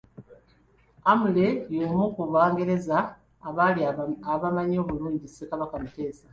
Amory y’omu ku bangereza abaali bamanyi obulungi Ssekabaka Muteesa.